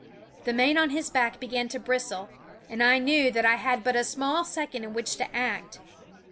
The mane on his back began to bristle, and I knew that I had but a small second in which to act.